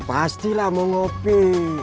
pastilah mau ngopi